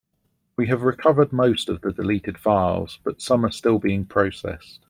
We have recovered most of the deleted files, but some are still being processed.